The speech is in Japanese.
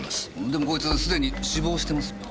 でもこいつすでに死亡してますよ。